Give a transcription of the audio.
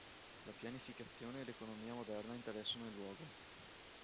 La pianificazione e l'economia moderna interessano il luogo.